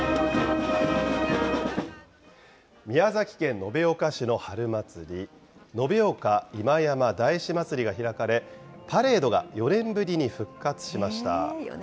宮崎県延岡市の春祭り、延岡今山大師祭が開かれ、パレードが４年ぶりに復活しました。